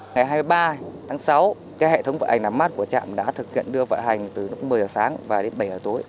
ngày hai mươi ba tháng sáu cái hệ thống vận hành làm mát của trạm đã thực hiện đưa vận hành từ một mươi giờ sáng và đến bảy giờ tối